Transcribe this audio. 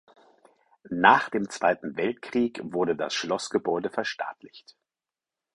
Nach dem Zweiten Weltkrieg wurde das Schlossgebäude verstaatlicht.